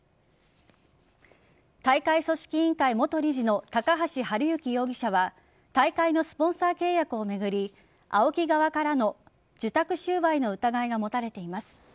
大会組織委員会元理事の高橋治之容疑者は大会のスポンサー契約を巡りＡＯＫＩ側からの受託収賄の疑いが持たれています。